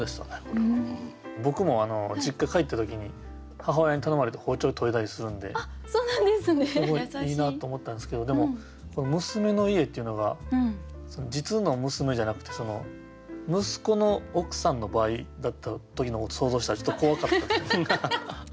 僕も実家帰った時に母親に頼まれて包丁研いだりするんですごいいいなと思ったんですけどでもこの「娘の家」っていうのが実の娘じゃなくて息子の奥さんの場合だった時のことを想像したらちょっと怖かったです。